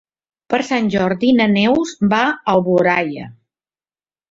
Per Sant Jordi na Neus va a Alboraia.